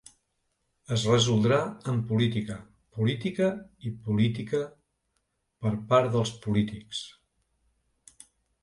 Es resoldrà amb política, política i política per part dels polítics.